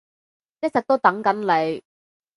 一直都等緊你